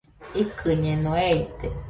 Ikɨñeno, eite